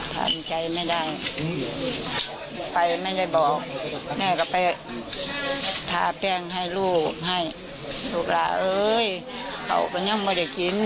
ทาแป้งให้ลูกให้ลูกลาเอ้ยเขาก็ยังไม่ได้กิน